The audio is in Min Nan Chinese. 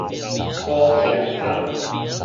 孤徛蜂